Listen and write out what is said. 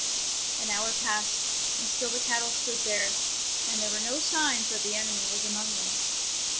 ^^ An hour passed, and still the cattle stood there, and there were no signs that the enemy was among them.